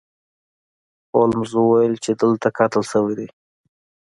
هولمز وویل چې دلته قتل شوی دی.